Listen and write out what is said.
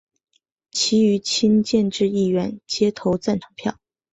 其余亲建制议员皆投赞成票。